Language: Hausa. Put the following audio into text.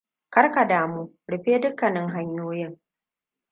Kar ka damu, rufe dukkanin hanyoyin.